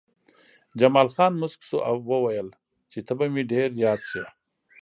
جمال خان موسک شو او وویل چې ته به مې ډېر یاد شې